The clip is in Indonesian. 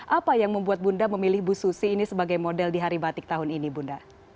apa yang membuat bunda memilih bu susi ini sebagai model di hari batik tahun ini bunda